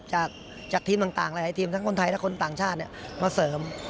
จากทีมต่างหลายทีมทั้งคนไทยและคนต่างชาติมาเสริม